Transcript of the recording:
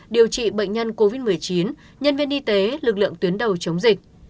điều trị bệnh nhân covid một mươi chín nhân viên y tế lực lượng tuyến đầu chống dịch